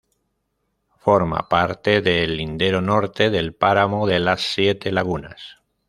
Forma parte de el lindero norte del páramo de Las Siete Lagunas.